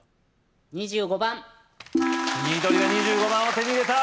２５番緑が２５番を手に入れた！